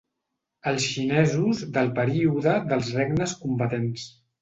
Els xinesos del Període dels Regnes Combatents.